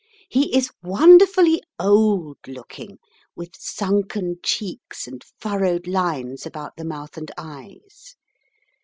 He is wonderfully old looking, with sunken cheeks and furrowed lines about the mouth and eyes.